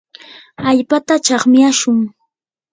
allpata chakmyashun.